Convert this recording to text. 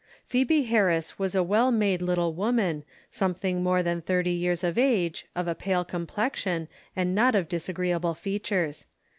Phœbe Harris was a well made little woman, something more than thirty years of age, of a pale complexion, and not of disagreeable features.